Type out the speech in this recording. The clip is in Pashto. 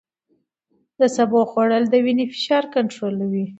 د سبو خوړل د وینې فشار کنټرولوي.